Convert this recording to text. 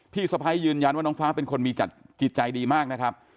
สะพ้ายยืนยันว่าน้องฟ้าเป็นคนมีจัดจิตใจดีมากนะครับ